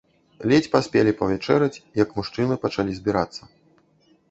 Ледзь паспелі павячэраць, як мужчыны пачалі збірацца.